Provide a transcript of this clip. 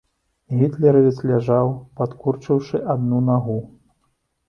Гітлеравец ляжаў, падкурчыўшы адну нагу.